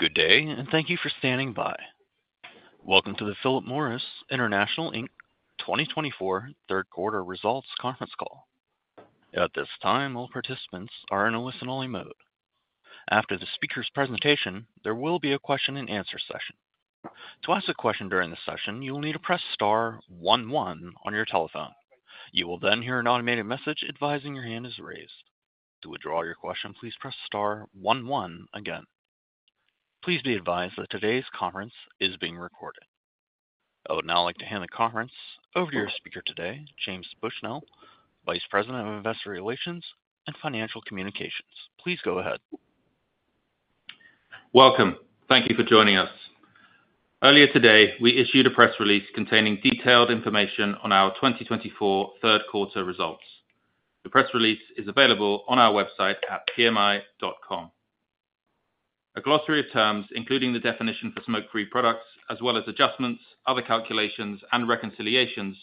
Good day, and thank you for standing by. Welcome to the Philip Morris International Inc. 2024 third quarter results conference call. At this time, all participants are in a listen-only mode. After the speaker's presentation, there will be a question-and-answer session. To ask a question during the session, you will need to press star one one on your telephone. You will then hear an automated message advising your hand is raised. To withdraw your question, please press star one one again. Please be advised that today's conference is being recorded. I would now like to hand the conference over to our speaker today, James Bushnell, Vice President of Investor Relations and Financial Communications. Please go ahead. Welcome. Thank you for joining us. Earlier today, we issued a press release containing detailed information on our 2024 third quarter results. The press release is available on our website at pmi.com. A glossary of terms, including the definition for smoke-free products, as well as adjustments, other calculations, and reconciliations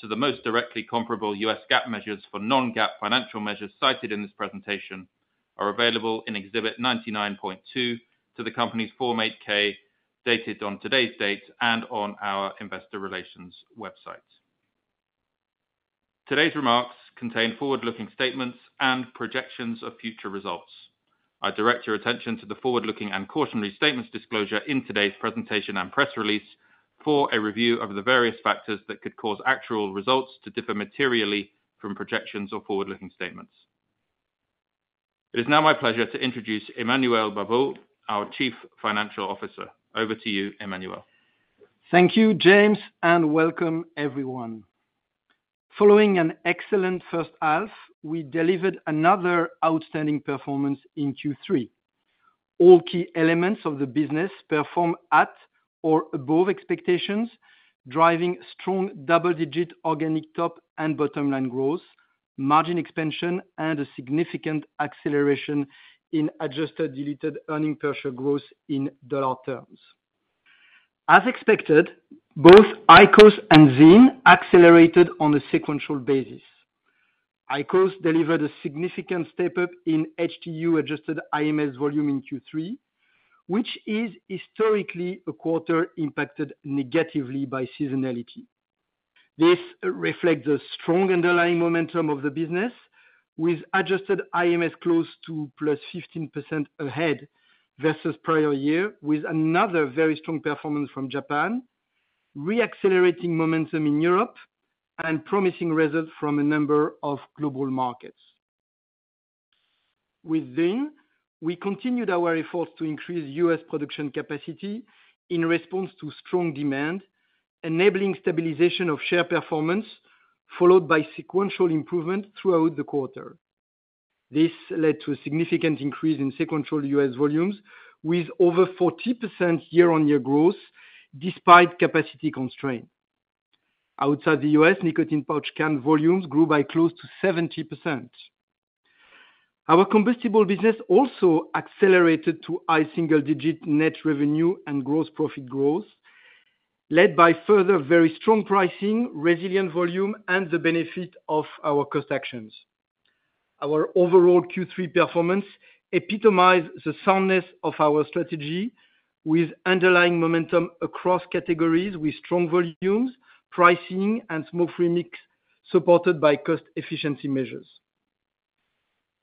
to the most directly comparable U.S. GAAP measures for non-GAAP financial measures cited in this presentation, are available in Exhibit 99.2 to the company's Form 8-K, dated on today's date and on our investor relations website. Today's remarks contain forward-looking statements and projections of future results. I direct your attention to the forward-looking and cautionary statements disclosure in today's presentation and press release for a review of the various factors that could cause actual results to differ materially from projections or forward-looking statements. It is now my pleasure to introduce Emmanuel Babeau, our Chief Financial Officer. Over to you, Emmanuel. Thank you, James, and welcome everyone. Following an excellent first half, we delivered another outstanding performance in Q3. All key elements of the business performed at or above expectations, driving strong double-digit organic top and bottom line growth, margin expansion, and a significant acceleration in adjusted diluted earnings per share growth in dollar terms. As expected, both IQOS and VEEV accelerated on a sequential basis. IQOS delivered a significant step-up in HTU-adjusted IMS volume in Q3, which is historically a quarter impacted negatively by seasonality. This reflects the strong underlying momentum of the business, with adjusted IMS close to +15% ahead versus prior year, with another very strong performance from Japan, reaccelerating momentum in Europe, and promising results from a number of global markets. With VEEV, we continued our efforts to increase U.S. production capacity in response to strong demand, enabling stabilization of share performance, followed by sequential improvement throughout the quarter. This led to a significant increase in sequential U.S. volumes, with over 40% year-on-year growth despite capacity constraint. Outside the U.S., nicotine pouch can volumes grew by close to 70%. Our combustible business also accelerated to high single digit net revenue and gross profit growth, led by further very strong pricing, resilient volume, and the benefit of our cost actions. Our overall Q3 performance epitomize the soundness of our strategy with underlying momentum across categories, with strong volumes, pricing and smoke-free mix, supported by cost efficiency measures.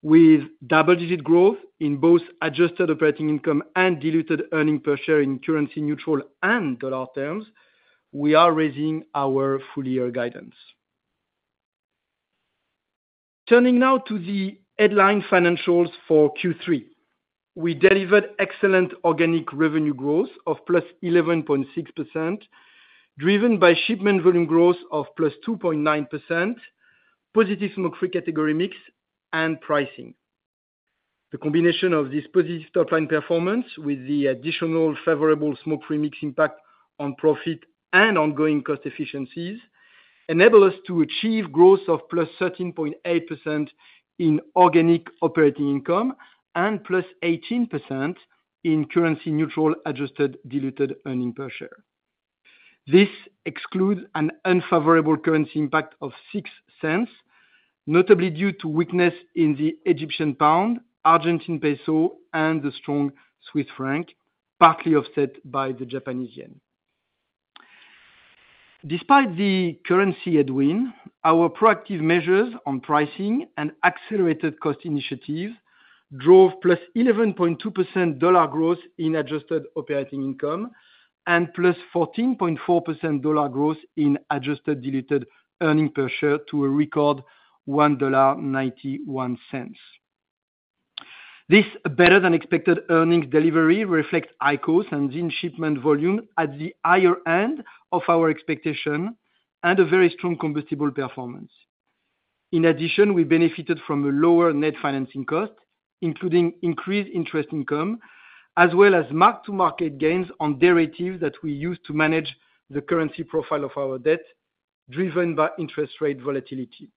With double-digit growth in both adjusted operating income and diluted earnings per share in currency neutral and dollar terms, we are raising our full-year guidance. Turning now to the headline financials for Q3. We delivered excellent organic revenue growth of +11.6%, driven by shipment volume growth of +2.9%, positive smoke-free category mix, and pricing. The combination of this positive top line performance with the additional favorable smoke-free mix impact on profit and ongoing cost efficiencies, enable us to achieve growth of +13.8% in organic operating income and +18% in currency neutral adjusted diluted earnings per share. This excludes an unfavorable currency impact of $0.06, notably due to weakness in the Egyptian pound, Argentine peso and the strong Swiss franc, partly offset by the Japanese yen. Despite the currency headwind, our proactive measures on pricing and accelerated cost initiatives drove +11.2% dollar growth in adjusted operating income and +14.4% dollar growth in adjusted diluted earnings per share to a record $1.91. This better-than-expected earnings delivery reflects IQOS and VEEV shipment volume at the higher end of our expectation and a very strong combustible performance. In addition, we benefited from a lower net financing cost, including increased interest income, as well as mark-to-market gains on derivatives that we use to manage the currency profile of our debt, driven by interest rate volatility.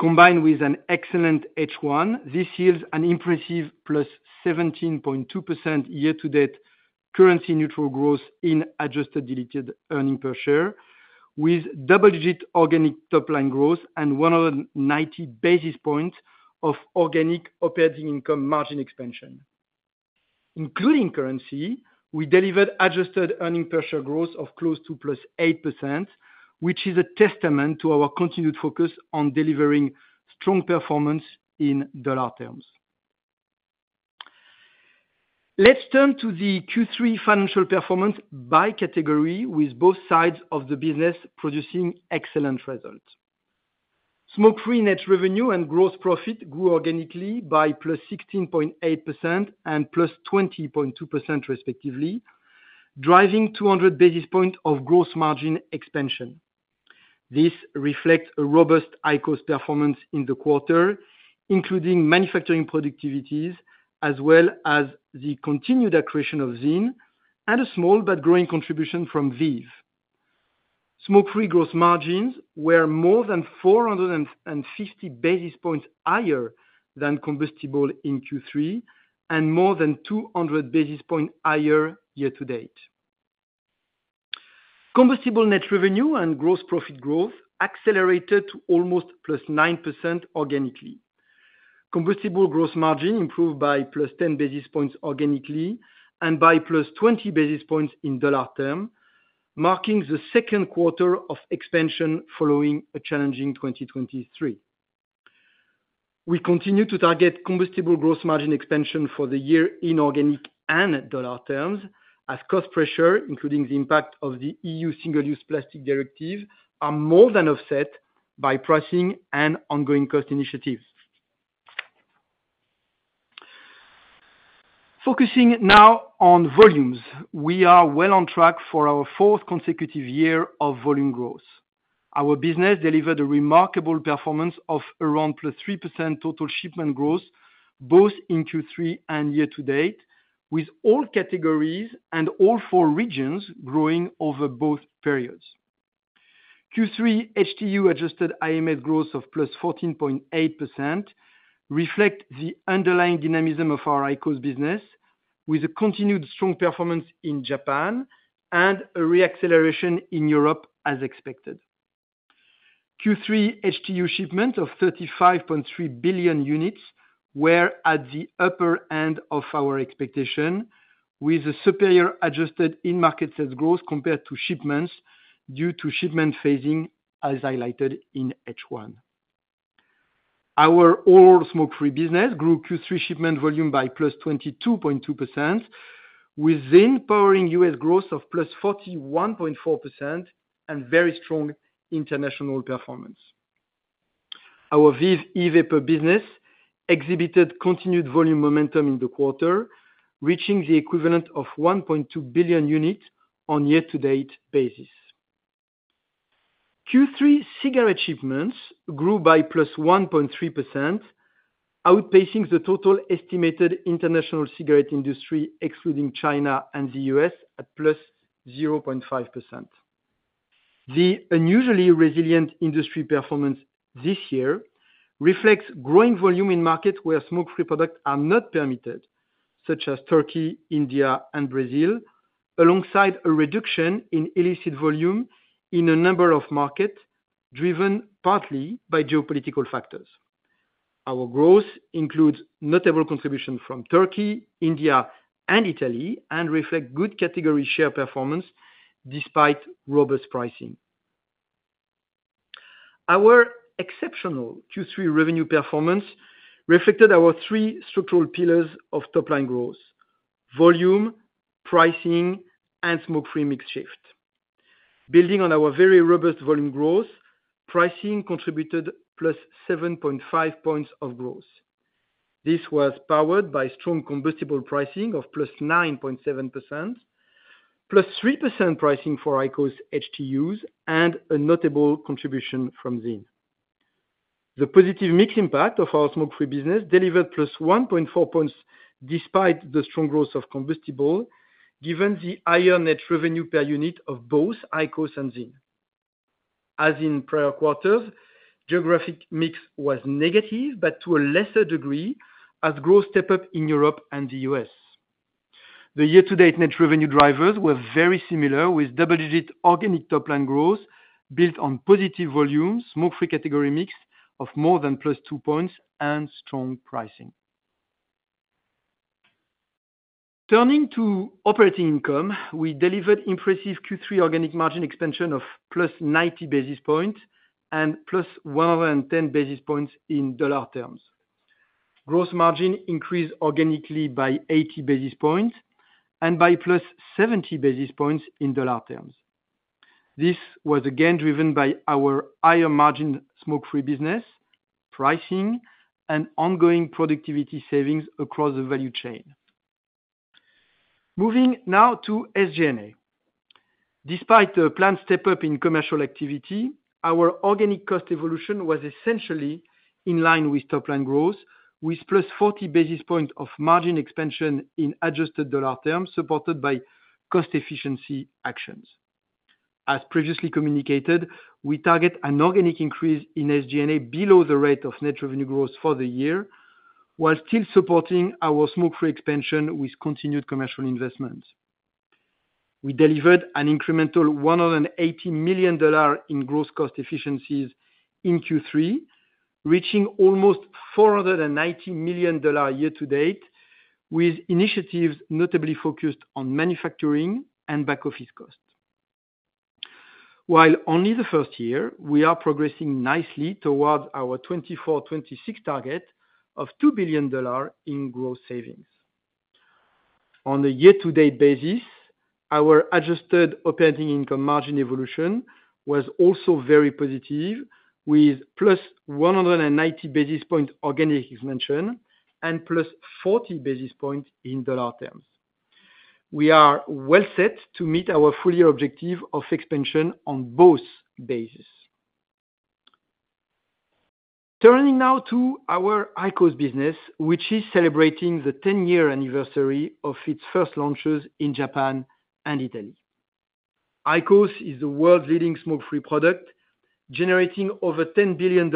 Combined with an excellent H1, this yields an impressive +17.2% year-to-date growth, currency neutral growth in adjusted diluted earnings per share, with double-digit organic top line growth and 190 basis points of organic operating income margin expansion. Including currency, we delivered adjusted earnings per share growth of close to +8%, which is a testament to our continued focus on delivering strong performance in dollar terms. Let's turn to the Q3 financial performance by category, with both sides of the business producing excellent results. Smoke-free net revenue and gross profit grew organically by +16.8% and +20.2% respectively, driving two hundred basis points of gross margin expansion. This reflects a robust IQOS performance in the quarter, including manufacturing productivities, as well as the continued accretion of ZYN, and a small but growing contribution from VEEV. Smoke-free gross margins were more than four hundred and fifty basis points higher than combustible in Q3 and more than two hundred basis points higher year to date. Combustible net revenue and gross profit growth accelerated to almost +9% organically. Combustible gross margin improved by +10 basis points organically, and by +20 basis points in dollar terms, marking the second quarter of expansion following a challenging 2023. We continue to target combustible gross margin expansion for the year in organic and dollar terms, as cost pressure, including the impact of the EU Single-Use Plastics Directive, are more than offset by pricing and ongoing cost initiatives. Focusing now on volumes. We are well on track for our fourth consecutive year of volume growth. Our business delivered a remarkable performance of around +3% total shipment growth, both in Q3 and year to date, with all categories and all four regions growing over both periods. Q3 HTU adjusted IMS growth of +14.8% reflect the underlying dynamism of our IQOS business, with a continued strong performance in Japan and a re-acceleration in Europe as expected. Q3 HTU shipment of 35.3 billion units were at the upper end of our expectation, with a superior adjusted in-market sales growth compared to shipments, due to shipment phasing, as highlighted in H1. Our all smoke-free business grew Q3 shipment volume by +22.2%, with ZYN powering US growth of +41.4% and very strong international performance. Our VEEV e-vapor business exhibited continued volume momentum in the quarter, reaching the equivalent of 1.2 billion units on year-to-date basis. Q3 cigar shipments grew by +1.3%, outpacing the total estimated international cigarette industry, excluding China and the U.S., at +0.5%. The unusually resilient industry performance this year reflects growing volume in markets where smoke-free products are not permitted, such as Turkey, India, and Brazil, alongside a reduction in illicit volume in a number of markets, driven partly by geopolitical factors. Our growth includes notable contribution from Turkey, India, and Italy, and reflect good category share performance despite robust pricing. Our exceptional Q3 revenue performance reflected our three structural pillars of top-line growth: volume, pricing, and smoke-free mix shift. Building on our very robust volume growth, pricing contributed +7.5 points of growth. This was powered by strong combustible pricing of +9.7%, +3% pricing for IQOS HTUs, and a notable contribution from ZYN. The positive mix impact of our smoke-free business delivered +1.4 points, despite the strong growth of combustible, given the higher net revenue per unit of both IQOS and ZYN. As in prior quarters, geographic mix was negative, but to a lesser degree, as growth step up in Europe and the U.S. The year-to-date net revenue drivers were very similar, with double-digit organic top line growth built on positive volume, smoke-free category mix of more than +2 points and strong pricing. Turning to operating income, we delivered impressive Q3 organic margin expansion of +90 basis points and +110 basis points in dollar terms. Gross margin increased organically by eighty basis points and by +70 basis points in dollar terms. This was again driven by our higher margin smoke-free business, pricing, and ongoing productivity savings across the value chain. Moving now to SG&A. Despite a planned step-up in commercial activity, our organic cost evolution was essentially in line with top line growth, with +40 basis points of margin expansion in adjusted dollar terms, supported by cost efficiency actions, as previously communicated, we target an organic increase in SG&A below the rate of net revenue growth for the year, while still supporting our smoke-free expansion with continued commercial investments. We delivered an incremental $180 million in gross cost efficiencies in Q3, reaching almost $490 million year to date, with initiatives notably focused on manufacturing and back office costs. While only the first year, we are progressing nicely towards our 2024-2026 target of $2 billion in gross savings. On a year-to-date basis, our adjusted operating income margin evolution was also very positive, with + 190 basis points organic expansion and + 40 basis points in dollar terms. We are well set to meet our full-year objective of expansion on both bases. Turning now to our IQOS business, which is celebrating the ten-year anniversary of its first launches in Japan and Italy. IQOS is the world's leading smoke-free product, generating over $10 billion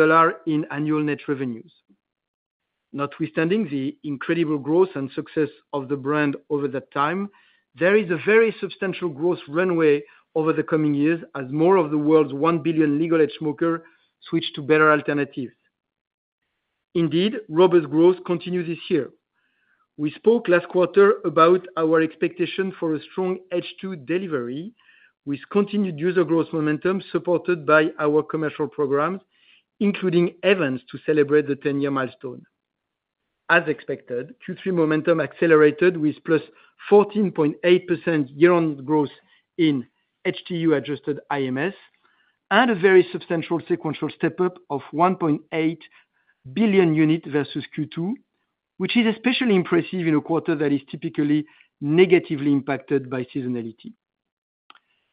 in annual net revenues. Notwithstanding the incredible growth and success of the brand over that time, there is a very substantial growth runway over the coming years as more of the world's one billion legal age smokers switch to better alternatives. Indeed, robust growth continues this year. We spoke last quarter about our expectation for a strong H2 delivery, with continued user growth momentum supported by our commercial programs, including events to celebrate the ten-year milestone. As expected, Q3 momentum accelerated with + 14.8% year-on-year growth in HTU adjusted IMS, and a very substantial sequential step up of 1.8 billion units versus Q2, which is especially impressive in a quarter that is typically negatively impacted by seasonality.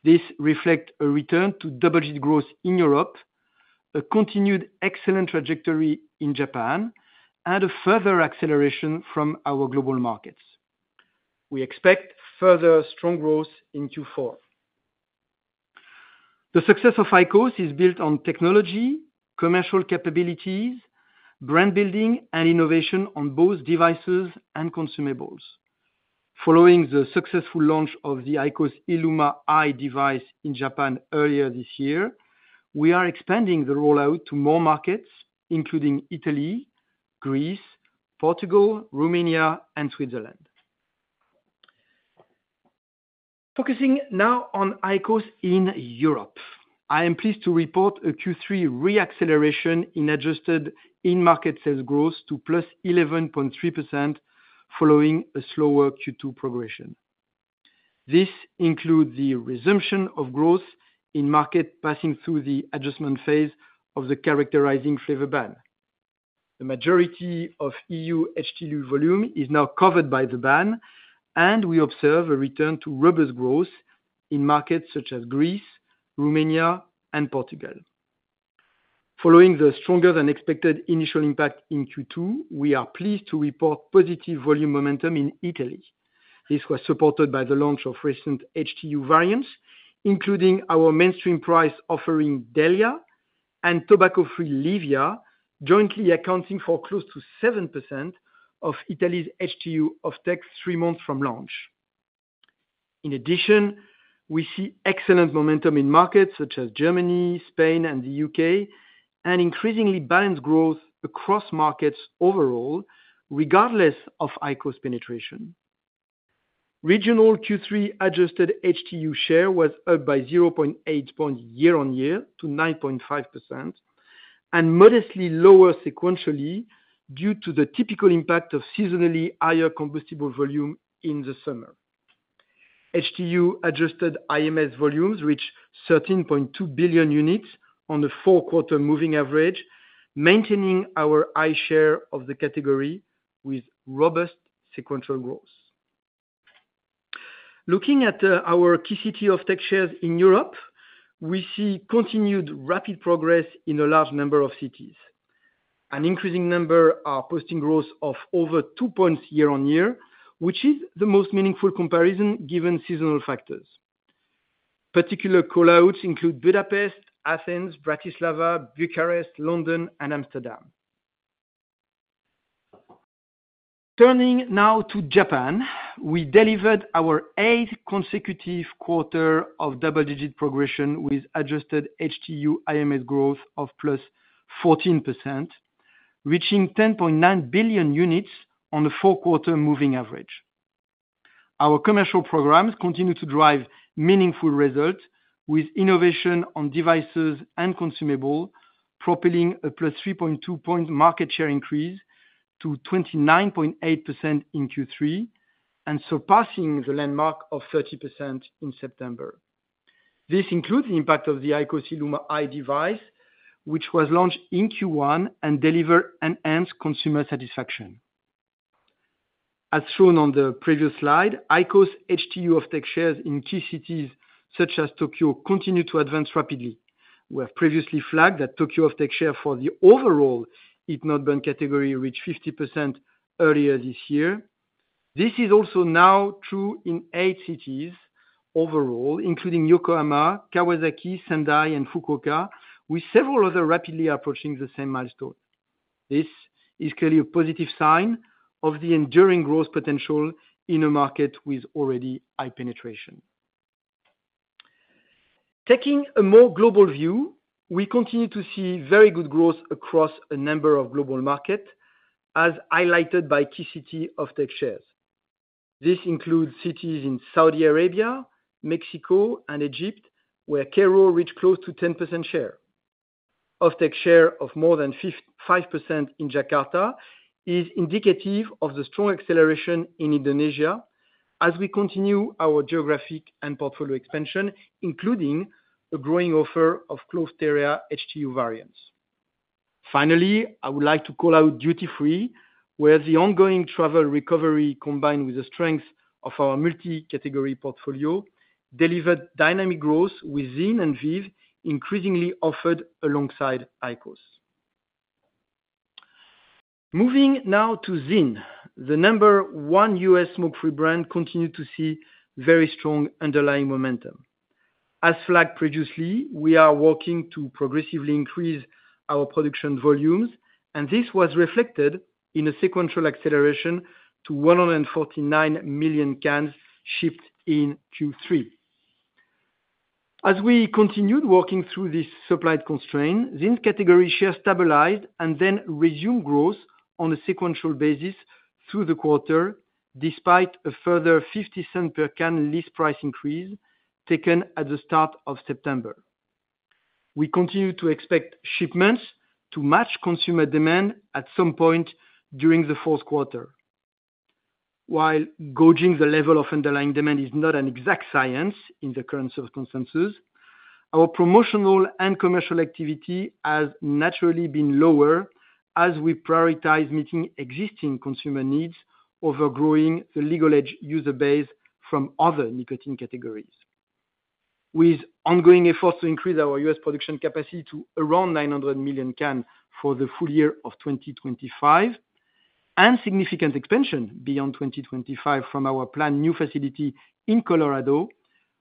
This reflects a return to double-digit growth in Europe, a continued excellent trajectory in Japan, and a further acceleration from our global markets. We expect further strong growth in Q4. The success of IQOS is built on technology, commercial capabilities, brand building, and innovation on both devices and consumables. Following the successful launch of the IQOS ILUMA i device in Japan earlier this year, we are expanding the rollout to more markets, including Italy, Greece, Portugal, Romania, and Switzerland. Focusing now on IQOS in Europe, I am pleased to report a Q3 re-acceleration in adjusted in-market sales growth to +11.3%, following a slower Q2 progression. This includes the resumption of growth in market, passing through the adjustment phase of the characterizing flavor ban. The majority of EU HTU volume is now covered by the ban, and we observe a return to robust growth in markets such as Greece, Romania, and Portugal. Following the stronger than expected initial impact in Q2, we are pleased to report positive volume momentum in Italy. This was supported by the launch of recent HTU variants, including our mainstream price offering, DELIA and tobacco-free LEVIA, jointly accounting for close to 7% of Italy's HTU offtake, three months from launch. In addition, we see excellent momentum in markets such as Germany, Spain, and the U.K., and increasingly balanced growth across markets overall, regardless of IQOS penetration. Regional Q3 adjusted HTU share was up by 0.8 points year on year to 9.5%, and modestly lower sequentially, due to the typical impact of seasonally higher combustible volume in the summer. HTU adjusted IMS volumes reached 13.2 billion units on the four-quarter moving average, maintaining our high share of the category with robust sequential growth. Looking at our key cities' [HTU] shares in Europe, we see continued rapid progress in a large number of cities. An increasing number are posting growth of over two points year-on-year, which is the most meaningful comparison given seasonal factors. Particular call-outs include Budapest, Athens, Bratislava, Bucharest, London, and Amsterdam. Turning now to Japan, we delivered our eighth consecutive quarter of double-digit progression with adjusted HTU IMS growth of +14%, reaching 10.9 billion units on the four-quarter moving average. Our commercial programs continue to drive meaningful results with innovation on devices and consumables, propelling a +3.2-point market share increase to 29.8% in Q3, and surpassing the landmark of 30% in September. This includes the impact of the IQOS ILUMA i device, which was launched in Q1 and delivered enhanced consumer satisfaction. As shown on the previous slide, IQOS HTU offtake shares in key cities such as Tokyo continue to advance rapidly. We have previously flagged that Tokyo off-take share for the overall heat-not-burn category reached 50% earlier this year. This is also now true in eight cities overall, including Yokohama, Kawasaki, Sendai, and Fukuoka, with several other rapidly approaching the same milestone. This is clearly a positive sign of the enduring growth potential in a market with already high penetration. Taking a more global view, we continue to see very good growth across a number of global markets, as highlighted by key city off-take shares. This includes cities in Saudi Arabia, Mexico, and Egypt, where Cairo reached close to 10% share. IQOS share of more than 5% in Jakarta is indicative of the strong acceleration in Indonesia as we continue our geographic and portfolio expansion, including a growing offer of clove TEREA HTU variants. Finally, I would like to call out duty-free, where the ongoing travel recovery, combined with the strength of our multi-category portfolio, delivered dynamic growth with ZYN and VEEV, increasingly offered alongside IQOS. Moving now to ZYN, the number one US smoke-free brand continued to see very strong underlying momentum. As flagged previously, we are working to progressively increase our production volumes, and this was reflected in a sequential acceleration to 149 million cans shipped in Q3. As we continued working through this supply constraint, ZYN's category share stabilized and then resumed growth on a sequential basis through the quarter, despite a further $0.50 per can list price increase taken at the start of September. We continue to expect shipments to match consumer demand at some point during the fourth quarter. While gauging the level of underlying demand is not an exact science in the current circumstances, our promotional and commercial activity has naturally been lower as we prioritize meeting existing consumer needs over growing the legal age user base from other nicotine categories. With ongoing efforts to increase our U.S. production capacity to around nine hundred million cans for the full year of 2025, and significant expansion beyond 2025 from our planned new facility in Colorado,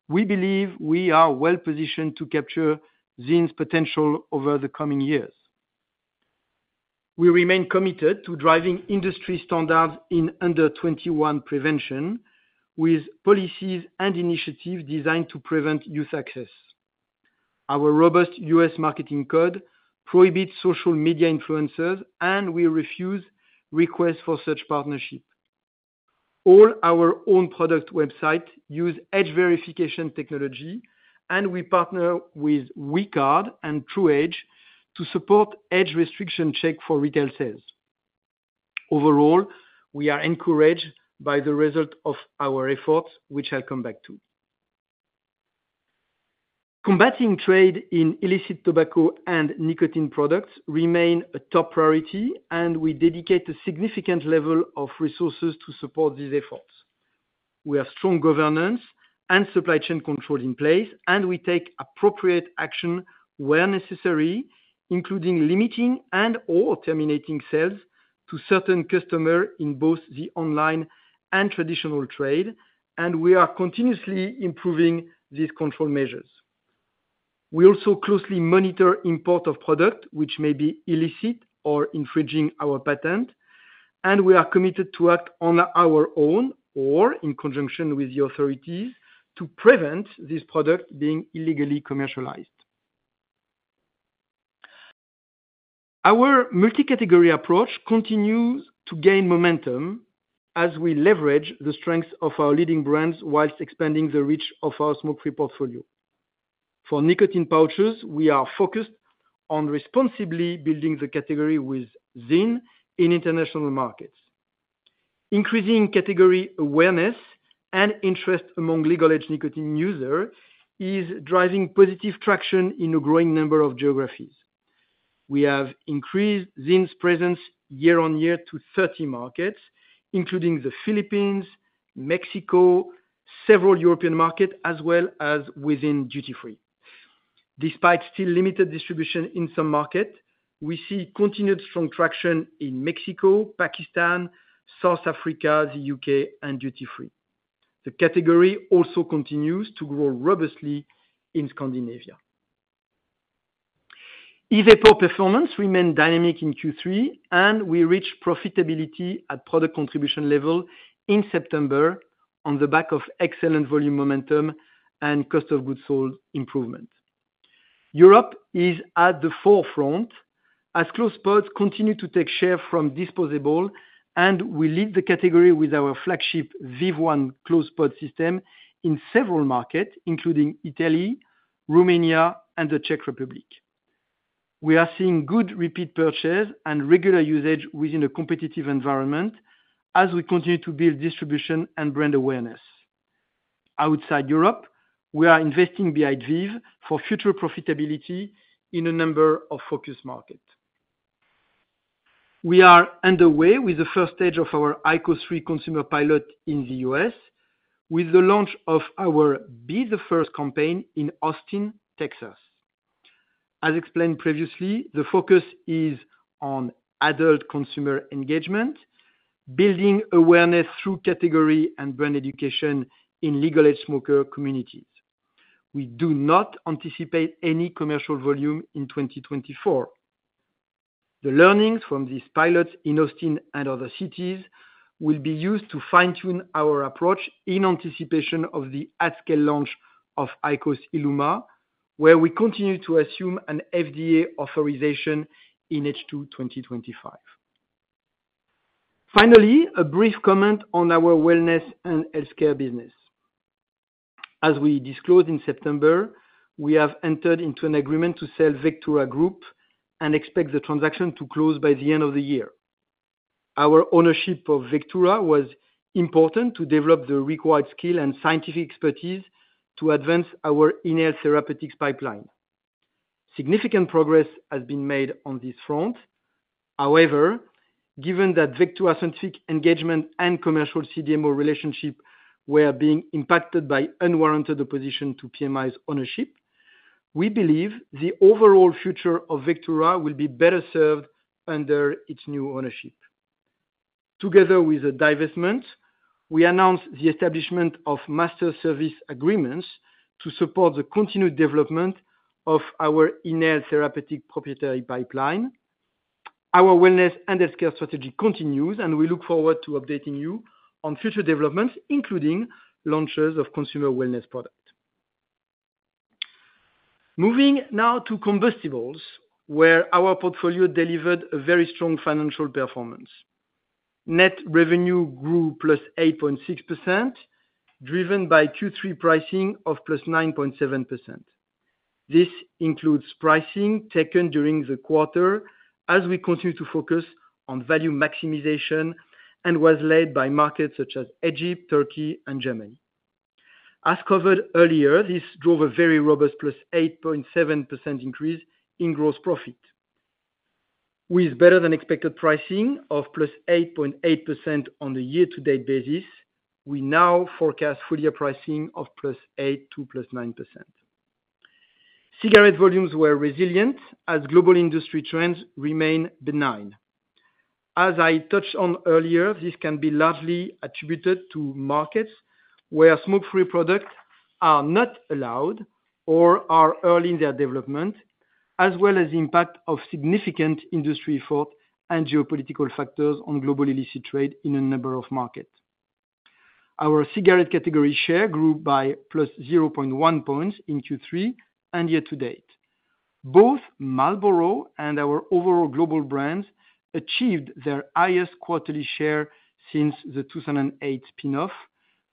we believe we are well positioned to capture ZYN's potential over the coming years. We remain committed to driving industry standards in under twenty-one prevention, with policies and initiatives designed to prevent youth access. Our robust U.S. marketing code prohibits social media influencers, and we refuse requests for such partnership. All our own product websites use age verification technology, and we partner with We Card and TruAge to support age restriction checks for retail sales. Overall, we are encouraged by the results of our efforts, which I'll come back to. Combating trade in illicit tobacco and nicotine products remains a top priority, and we dedicate a significant level of resources to support these efforts. We have strong governance and supply chain controls in place, and we take appropriate action where necessary, including limiting and/or terminating sales to certain customers in both the online and traditional trade, and we are continuously improving these control measures. We also closely monitor imports of products, which may be illicit or infringing our patents, and we are committed to act on our own or in conjunction with the authorities, to prevent this product being illegally commercialized. Our multi-category approach continues to gain momentum as we leverage the strength of our leading brands while expanding the reach of our smoke-free portfolio. For nicotine pouches, we are focused on responsibly building the category with ZYN in international markets. Increasing category awareness and interest among legal age nicotine user, is driving positive traction in a growing number of geographies. We have increased ZYN's presence year on year to thirty markets, including the Philippines, Mexico, several European markets, as well as within duty-free. Despite still limited distribution in some markets, we see continued strong traction in Mexico, Pakistan, South Africa, the UK, and duty-free. The category also continues to grow robustly in Scandinavia. [VEEV] performance remained dynamic in Q3, and we reached profitability at product contribution level in September on the back of excellent volume, momentum, and cost of goods sold improvement. Europe is at the forefront as closed pods continue to take share from disposable, and we lead the category with our flagship VEEV ONE closed pod system in several markets, including Italy, Romania, and the Czech Republic. We are seeing good repeat purchase and regular usage within a competitive environment as we continue to build distribution and brand awareness. Outside Europe, we are investing behind VEEV for future profitability in a number of focus markets. We are underway with the first stage of our IQOS 3 consumer pilot in the U.S., with the launch of our Be the First campaign in Austin, Texas. As explained previously, the focus is on adult consumer engagement, building awareness through category and brand education in legal age smoker communities. We do not anticipate any commercial volume in 2024. The learnings from these pilots in Austin and other cities will be used to fine-tune our approach in anticipation of the at-scale launch of IQOS ILUMA, where we continue to assume an FDA authorization in H2 2025. Finally, a brief comment on our wellness and healthcare business. As we disclosed in September, we have entered into an agreement to sell Vectura Group and expect the transaction to close by the end of the year. Our ownership of Vectura was important to develop the required skill and scientific expertise to advance our inhaled therapeutics pipeline. Significant progress has been made on this front. However, given that Vectura scientific engagement and commercial CDMO relationship were being impacted by unwarranted opposition to PMI's ownership, we believe the overall future of Vectura will be better served under its new ownership. Together with the divestment, we announced the establishment of master service agreements to support the continued development of our inhaled therapeutic proprietary pipeline. Our wellness and healthcare strategy continues, and we look forward to updating you on future developments, including launches of consumer wellness product. Moving now to combustibles, where our portfolio delivered a very strong financial performance. Net revenue grew +8.6%, driven by Q3 pricing of +9.7%. This includes pricing taken during the quarter as we continue to focus on value maximization, and was led by markets such as Egypt, Turkey and Germany. As covered earlier, this drove a very robust +8.7% increase in gross profit. With better-than-expected pricing of +8.8% on the year-to-date basis, we now forecast full year pricing of +8% to +9%. Cigarette volumes were resilient as global industry trends remain benign. As I touched on earlier, this can be largely attributed to markets where smoke-free products are not allowed or are early in their development, as well as the impact of significant industry fraud and geopolitical factors on global illicit trade in a number of markets. Our cigarette category share grew by + 0.1 points in Q3 and year to date. Both Marlboro and our overall global brands achieved their highest quarterly share since the 2008 spin-off,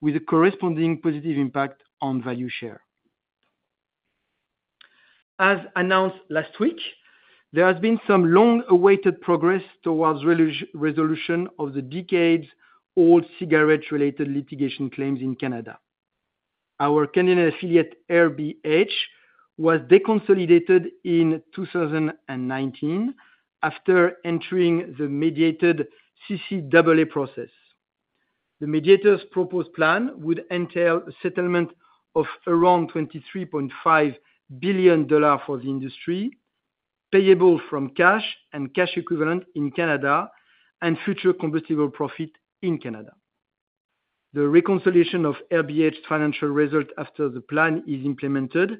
with a corresponding positive impact on value share. As announced last week, there has been some long-awaited progress towards resolution of the decades-old cigarette-related litigation claims in Canada. Our Canadian affiliate, RBH, was deconsolidated in 2019 after entering the mediated CCAA process. The mediator's proposed plan would entail a settlement of around $23.5 billion for the industry, payable from cash and cash equivalent in Canada and future combustible profit in Canada. The reconciliation of RBH financial result after the plan is implemented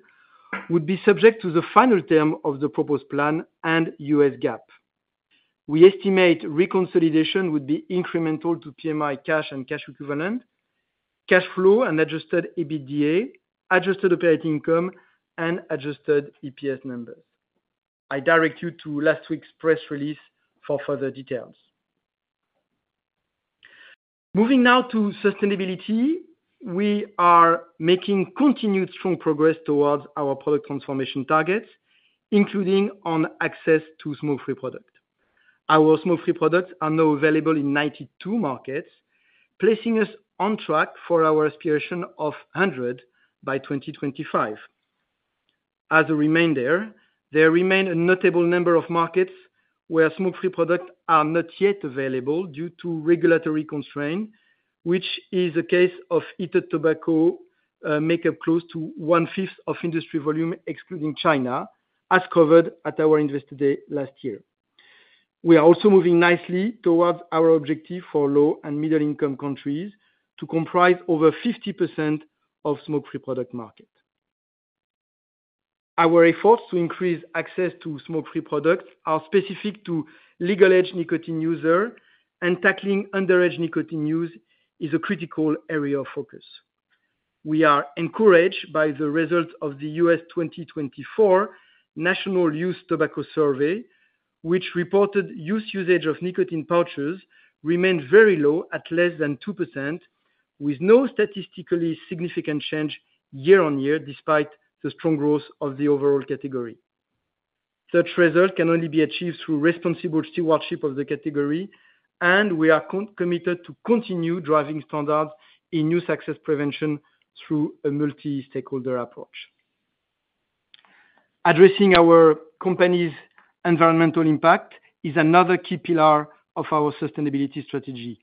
would be subject to the final term of the proposed plan and US GAAP. We estimate reconsolidation would be incremental to PMI cash and cash equivalent, cash flow and adjusted EBITDA, adjusted operating income, and adjusted EPS numbers. I direct you to last week's press release for further details. Moving now to sustainability. We are making continued strong progress towards our product transformation targets, including on access to smoke-free product. Our smoke-free products are now available in 92 markets, placing us on track for our aspiration of 100 by 2025. As a reminder, there remain a notable number of markets where smoke-free products are not yet available due to regulatory constraints, which is the case of heated tobacco make up close to 1/5 of industry volume, excluding China, as covered at our Investor Day last year. We are also moving nicely towards our objective for low and middle-income countries to comprise over 50% of smoke-free product market. Our efforts to increase access to smoke-free products are specific to legal-age nicotine user, and tackling underage nicotine use is a critical area of focus. We are encouraged by the result of the U.S. 2024 National Youth Tobacco Survey, which reported youth usage of nicotine pouches remained very low at less than 2%, with no statistically significant change year-on-year, despite the strong growth of the overall category. Such results can only be achieved through responsible stewardship of the category, and we are committed to continue driving standards in youth access prevention through a multi-stakeholder approach. Addressing our company's environmental impact is another key pillar of our sustainability strategy.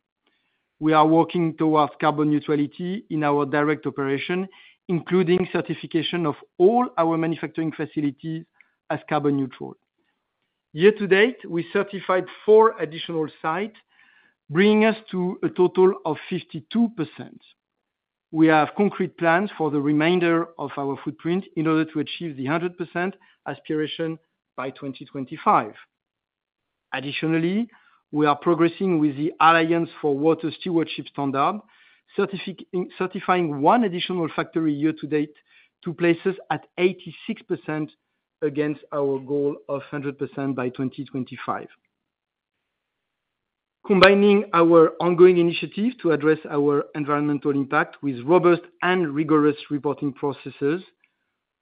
We are working towards carbon neutrality in our direct operation, including certification of all our manufacturing facilities as carbon neutral. Year to date, we certified four additional sites, bringing us to a total of 52%. We have concrete plans for the remainder of our footprint in order to achieve the 100% aspiration by 2025. Additionally, we are progressing with the Alliance for Water Stewardship Standard, certifying one additional factory year to date, to place us at 86% against our goal of 100% by 2025. Combining our ongoing initiatives to address our environmental impact with robust and rigorous reporting processes,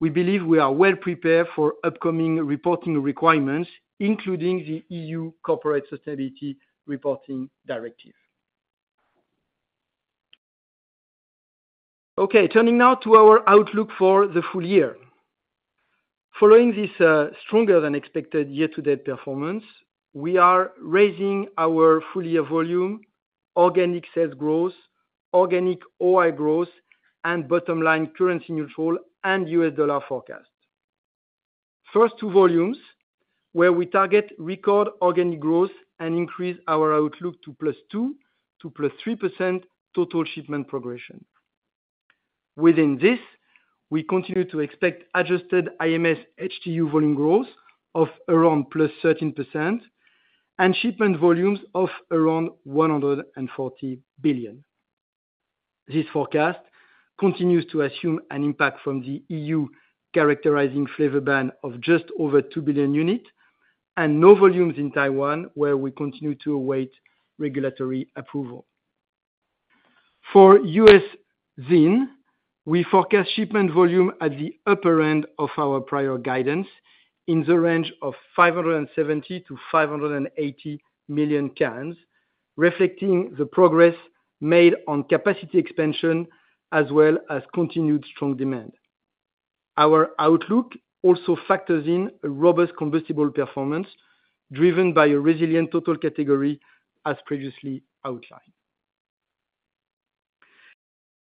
we believe we are well prepared for upcoming reporting requirements, including the EU Corporate Sustainability Reporting Directive. Okay, turning now to our outlook for the full year. Following this, stronger than expected year-to-date performance, we are raising our full year volume, organic sales growth, organic OI growth, and bottom line currency-neutral and U.S. dollar forecast. First, to volumes, where we target record organic growth and increase our outlook to +2% to +3% total shipment progression. Within this, we continue to expect adjusted IMS HTU volume growth of around +13% and shipment volumes of around 140 billion. This forecast continues to assume an impact from the EU characterizing flavor ban of just over 2 billion unit and no volumes in Taiwan, where we continue to await regulatory approval. For US ZYN, we forecast shipment volume at the upper end of our prior guidance, in the range of 570-580 million cans, reflecting the progress made on capacity expansion, as well as continued strong demand. Our outlook also factors in a robust combustible performance, driven by a resilient total category, as previously outlined.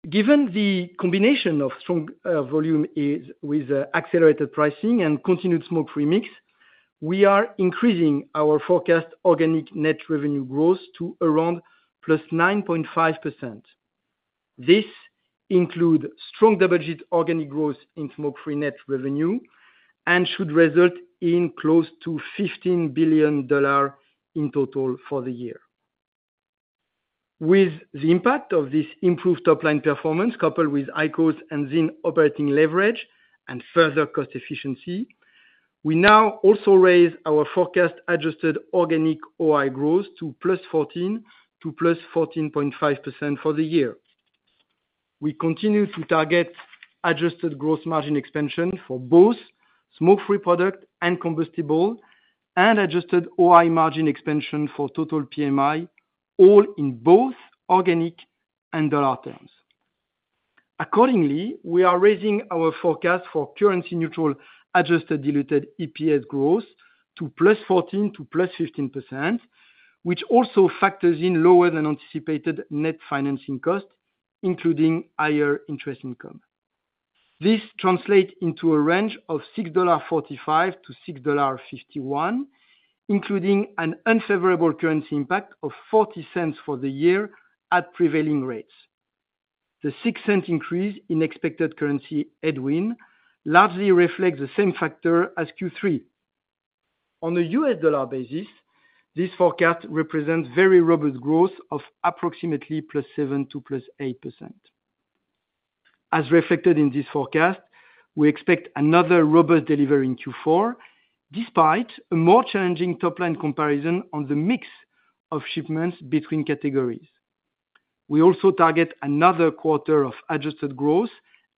Given the combination of strong, volume growth, accelerated pricing and continued smoke-free mix, we are increasing our forecast organic net revenue growth to around +9.5%. This include strong double-digit organic growth in smoke-free net revenue and should result in close to $15 billion in total for the year. With the impact of this improved top line performance, coupled with IQOS and ZYN operating leverage and further cost efficiency, we now also raise our forecast adjusted organic OI growth to +14% to +14.5% for the year. We continue to target adjusted gross margin expansion for both smoke-free product and combustible, and adjusted OI margin expansion for total PMI, all in both organic and dollar terms. Accordingly, we are raising our forecast for currency neutral adjusted diluted EPS growth to +14% to +15%, which also factors in lower than anticipated net financing costs, including higher interest income. This translates into a range of $6.45-$6.51, including an unfavorable currency impact of $0.40 for the year at prevailing rates. The $0.06 increase in expected currency headwind largely reflects the same factor as Q3. On a U.S. dollar basis, this forecast represents very robust growth of approximately +7% to +8%. As reflected in this forecast, we expect another robust delivery in Q4, despite a more challenging top line comparison on the mix of shipments between categories. We also target another quarter of adjusted growth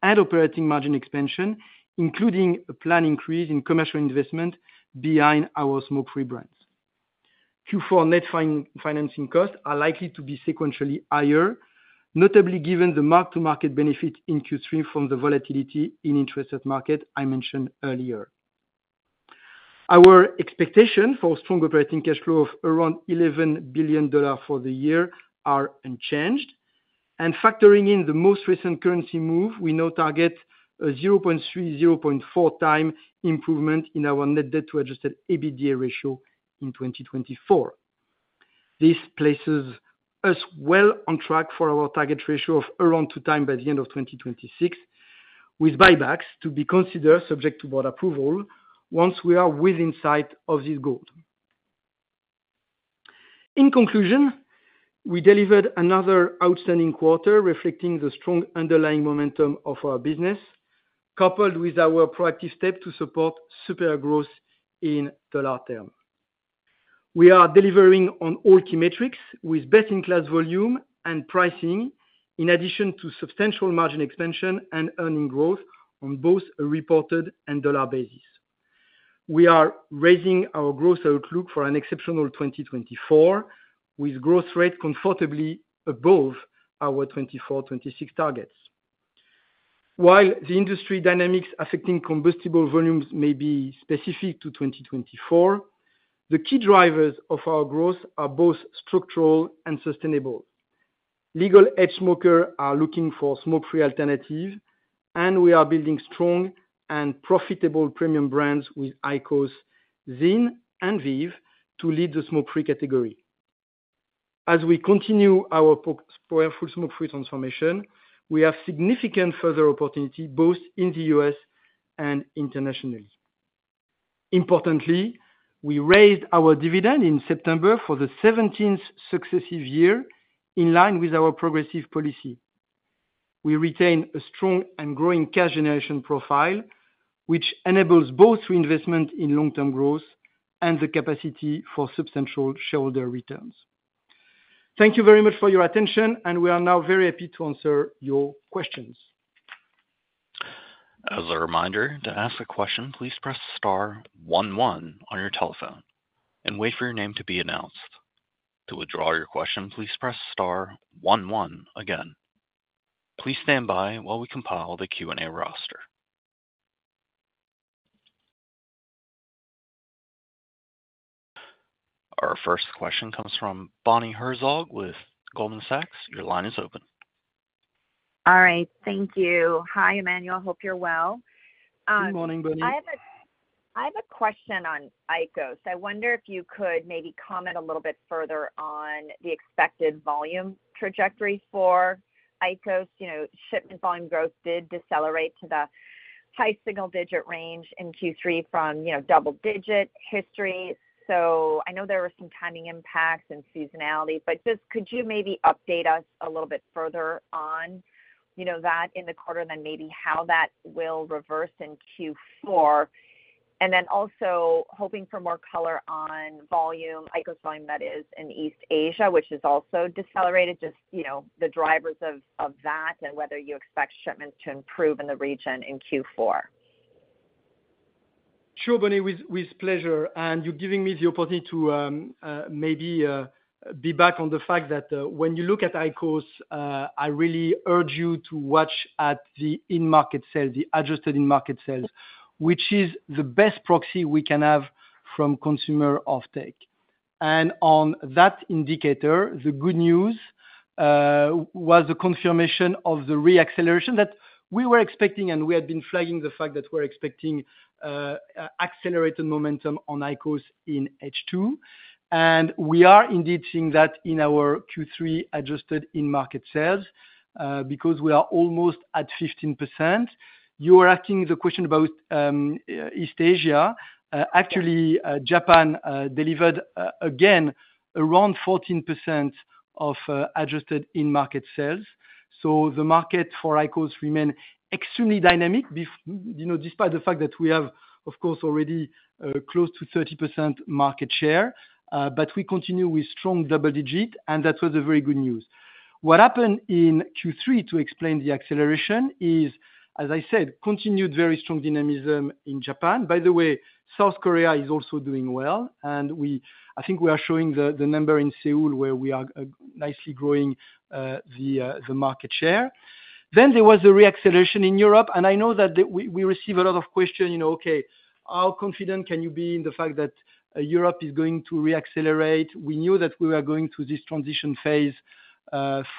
and operating margin expansion, including a planned increase in commercial investment behind our smoke-free brands. Q4 net financing costs are likely to be sequentially higher, notably given the mark-to-market benefit in Q3 from the volatility in interest rate market, I mentioned earlier. Our expectation for strong operating cash flow of around $11 billion for the year are unchanged, and factoring in the most recent currency move, we now target a 0.3-0.4 times improvement in our net debt to adjusted EBITDA ratio in 2024. This places us well on track for our target ratio of around two times by the end of 2026, with buybacks to be considered subject to board approval, once we are within sight of this goal. In conclusion, we delivered another outstanding quarter, reflecting the strong underlying momentum of our business, coupled with our proactive step to support superior growth in dollar terms. We are delivering on all key metrics with best-in-class volume and pricing, in addition to substantial margin expansion and earnings growth on both a reported and dollar basis. We are raising our growth outlook for an exceptional 2024, with growth rate comfortably above our 2024, 2026…. While the industry dynamics affecting combustible volumes may be specific to 2024, the key drivers of our growth are both structural and sustainable. Leading-edge smokers are looking for smoke-free alternatives, and we are building strong and profitable premium brands with IQOS, ZYN, and VEEV, to lead the smoke-free category. As we continue our powerful smoke-free transformation, we have significant further opportunity, both in the U.S. and internationally. Importantly, we raised our dividend in September for the 17th successive year in line with our progressive policy. We retain a strong and growing cash generation profile, which enables both reinvestment in long-term growth and the capacity for substantial shareholder returns. Thank you very much for your attention, and we are now very happy to answer your questions. As a reminder, to ask a question, please press star one one on your telephone and wait for your name to be announced. To withdraw your question, please press star one one again. Please stand by while we compile the Q&A roster. Our first question comes from Bonnie Herzog with Goldman Sachs. Your line is open. All right, thank you. Hi, Emmanuel. Hope you're well? Good morning, Bonnie. I have a question on IQOS. I wonder if you could maybe comment a little bit further on the expected volume trajectory for IQOS. You know, shipment volume growth did decelerate to the high single digit range in Q3 from, you know, double digit history. So I know there were some timing impacts and seasonality, but just could you maybe update us a little bit further on, you know, that in the quarter, then maybe how that will reverse in Q4? Then also hoping for more color on volume, IQOS volume that is in East Asia, which has also decelerated. Just, you know, the drivers of that and whether you expect shipments to improve in the region in Q4. Sure, Bonnie, with pleasure, and you're giving me the opportunity to maybe be back on the fact that when you look at IQOS, I really urge you to watch at the in-market sales, the adjusted in-market sales, which is the best proxy we can have from consumer offtake. And on that indicator, the good news was the confirmation of the re-acceleration that we were expecting, and we had been flagging the fact that we're expecting accelerated momentum on IQOS in H2. And we are indeed seeing that in our Q3 adjusted in-market sales because we are almost at 15%. You were asking the question about East Asia. Actually, Japan delivered again around 14% of adjusted in-market sales. So the market for IQOS remain extremely dynamic, you know, despite the fact that we have, of course, already close to 30% market share, but we continue with strong double digit, and that was a very good news. What happened in Q3 to explain the acceleration is, as I said, continued very strong dynamism in Japan. By the way, South Korea is also doing well, and I think we are showing the number in Seoul, where we are nicely growing the market share. Then there was a re-acceleration in Europe, and I know that we receive a lot of question, you know, okay, how confident can you be in the fact that Europe is going to re-accelerate? We knew that we were going through this transition phase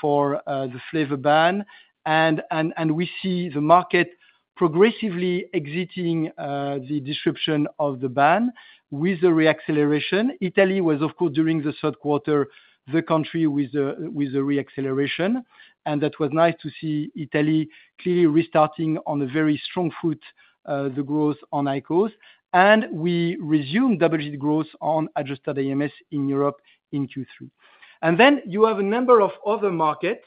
for the flavor ban, and we see the market progressively exiting the description of the ban with the re-acceleration. Italy was, of course, during the third quarter, the country with the re-acceleration, and that was nice to see Italy clearly restarting on a very strong foot the growth on IQOS. We resumed double-digit growth on adjusted IMS in Europe in Q3. Then you have a number of other markets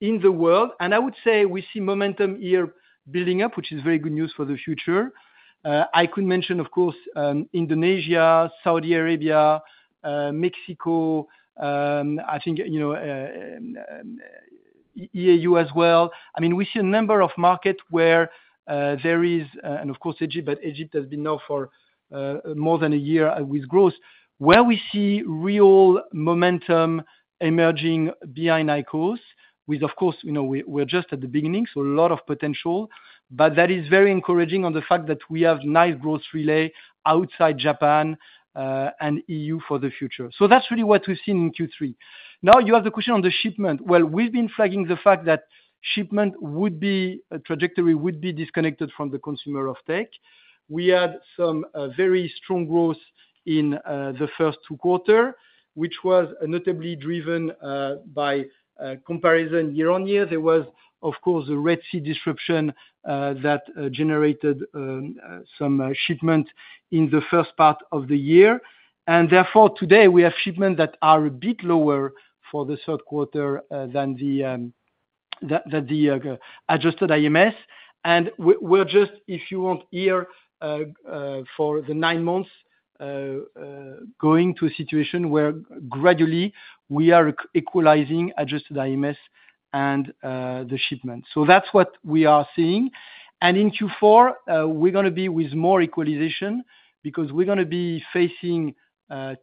in the world, and I would say we see momentum here building up, which is very good news for the future. I could mention, of course, Indonesia, Saudi Arabia, Mexico. I think, you know, EU as well. I mean, we see a number of markets where there is, and of course, Egypt, but Egypt has been now for more than a year with growth, where we see real momentum emerging behind IQOS, with of course, you know, we, we're just at the beginning, so a lot of potential. But that is very encouraging on the fact that we have nice growth really outside Japan and EU for the future. So that's really what we've seen in Q3. Now, you have the question on the shipment. Well, we've been flagging the fact that shipment trajectory would be disconnected from the consumer offtake. We had some very strong growth in the first two quarters, which was notably driven by comparison year on year. There was, of course, a Red Sea disruption that generated some shipment in the first part of the year. And therefore, today we have shipments that are a bit lower for the third quarter than the adjusted IMS. And we're just, if you want, here for the nine months going to a situation where gradually we are equalizing adjusted IMS and the shipments. So that's what we are seeing. And in Q4, we're gonna be with more equalization, because we're gonna be facing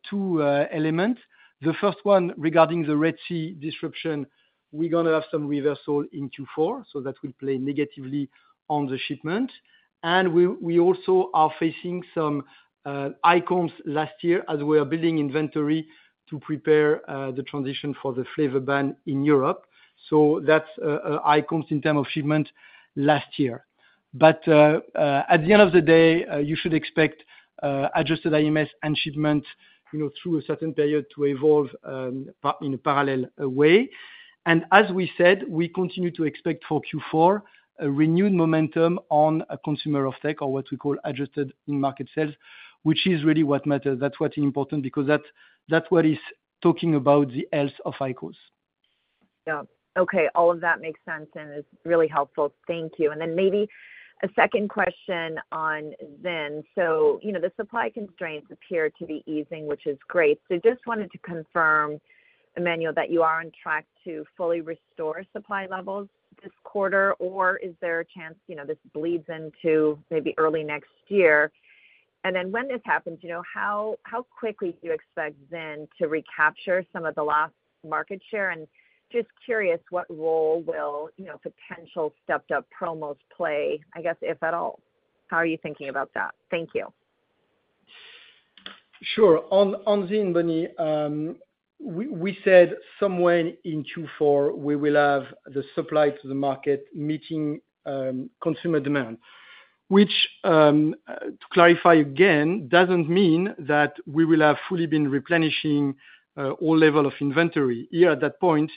two elements. The first one, regarding the Red Sea disruption, we're gonna have some reversal in Q4, so that will play negatively on the shipment. We also are facing strong some IQOS last year, as we are building inventory to prepare the transition for the flavor ban in Europe. That's IQOS in terms of shipment last year. At the end of the day, you should expect adjusted IMS and shipment, you know, through a certain period to evolve in a parallel way. As we said, we continue to expect for Q4 a renewed momentum on a consumer offtake or what we call adjusted IMS, which is really what matters. That's what is important, because that's what is talking about the health of IQOS. Yeah. Okay, all of that makes sense, and it's really helpful. Thank you. And then maybe a second question on ZYN. So, you know, the supply constraints appear to be easing, which is great, so just wanted to confirm, Emmanuel, that you are on track to fully restore supply levels this quarter, or is there a chance, you know, this bleeds into maybe early next year? And then when this happens, you know, how quickly do you expect ZYN to recapture some of the lost market share? And just curious, what role will, you know, potential stepped up promos play, I guess, if at all? How are you thinking about that? Thank you. Sure. On ZYN, Bonnie, we said somewhere in Q4, we will have the supply to the market meeting consumer demand. Which, to clarify again, doesn't mean that we will have fully been replenishing all level of inventory. Here, at that point,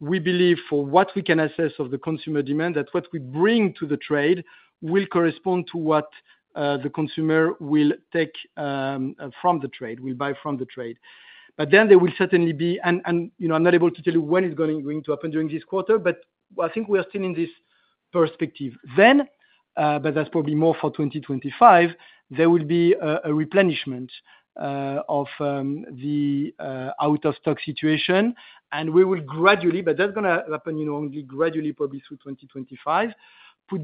we believe for what we can assess of the consumer demand, that what we bring to the trade will correspond to what the consumer will take from the trade, will buy from the trade. But then there will certainly be... and, you know, I'm not able to tell you when it's going to happen during this quarter, but I think we are still in this perspective. But that's probably more for 2025. There will be a replenishment of the out-of-stock situation, and we will gradually put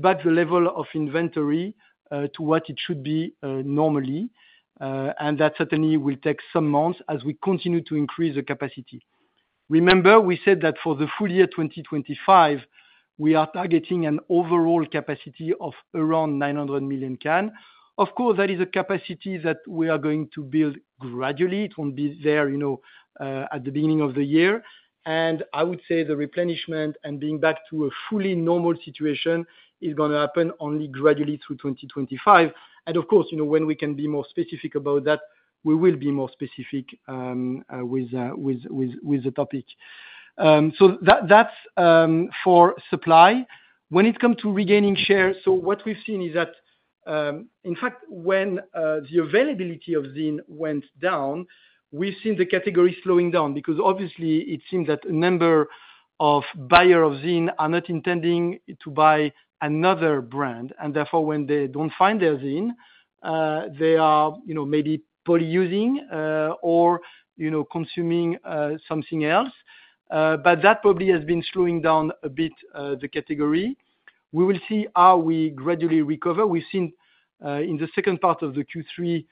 back the level of inventory to what it should be normally. But that's gonna happen, you know, only gradually, probably through 2025. That certainly will take some months as we continue to increase the capacity. Remember, we said that for the full year 2025, we are targeting an overall capacity of around 900 million cans. Of course, that is a capacity that we are going to build gradually. It won't be there, you know, at the beginning of the year. I would say the replenishment and being back to a fully normal situation is gonna happen only gradually through 2025. And of course, you know, when we can be more specific about that, we will be more specific with the topic. So that's for supply. When it come to regaining share, so what we've seen is that, in fact, when the availability of ZYN went down, we've seen the category slowing down, because obviously it seems that a number of buyer of ZYN are not intending to buy another brand, and therefore, when they don't find their ZYN, they are, you know, maybe purchasing, or, you know, consuming something else. But that probably has been slowing down a bit, the category. We will see how we gradually recover. We've seen in the second part of the Q3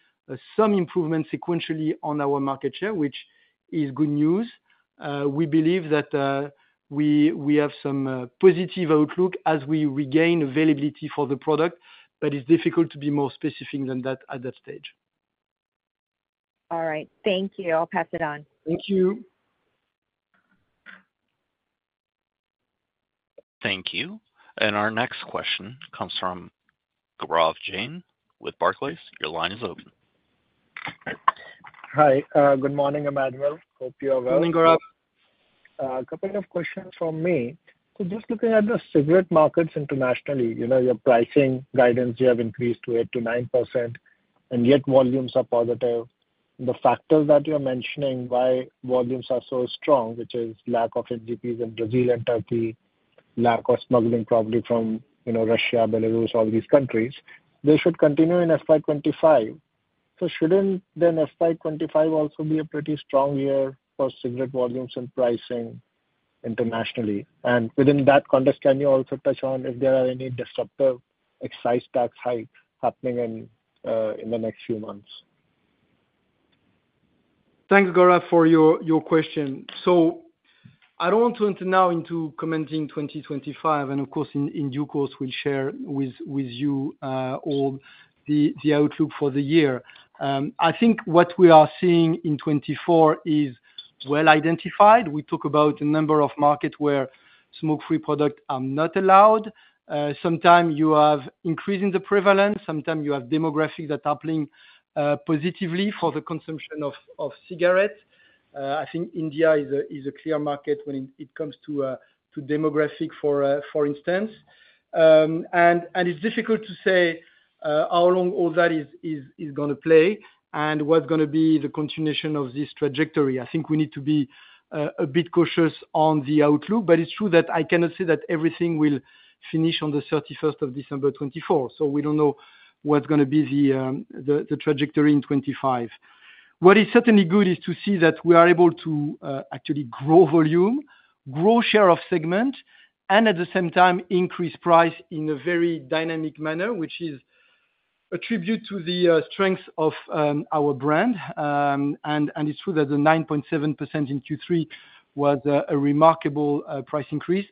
some improvement sequentially on our market share, which is good news. We believe that we have some positive outlook as we regain availability for the product, but it's difficult to be more specific than that at that stage. All right. Thank you. I'll pass it on. Thank you. Thank you, and our next question comes from Gaurav Jain with Barclays. Your line is open. Hi, good morning, Emmanuel. Hope you are well. Morning, Gaurav. A couple of questions from me. So just looking at the cigarette markets internationally, you know, your pricing guidance, you have increased to 8%-9%, and yet volumes are positive. The factors that you're mentioning, why volumes are so strong, which is lack of HGPs in Brazil and Turkey, lack of smuggling, probably from, you know, Russia, Belarus, all these countries, they should continue in FY 2025. So shouldn't then FY 2025 also be a pretty strong year for cigarette volumes and pricing internationally? And within that context, can you also touch on if there are any disruptive excise tax hikes happening in the next few months? Thanks, Gaurav, for your question. So I don't want to enter now into commenting 2025, and of course, in due course, we'll share with you all the outlook for the year. I think what we are seeing in 2024 is well identified. We talk about a number of markets where smoke-free products are not allowed. Sometimes you have increase in the prevalence, sometimes you have demographics that are playing positively for the consumption of cigarettes. I think India is a clear market when it comes to demographics, for instance. And it's difficult to say how long all that is gonna play and what's gonna be the continuation of this trajectory. I think we need to be a bit cautious on the outlook, but it's true that I cannot say that everything will finish on the 31st December, 2024. So we don't know what's gonna be the trajectory in 2025. What is certainly good is to see that we are able to actually grow volume, grow share of segment, and at the same time, increase price in a very dynamic manner, which is a tribute to the strength of our brand. And it's true that the 9.7% in Q3 was a remarkable price increase.